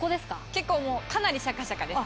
結構もうかなりシャカシャカです。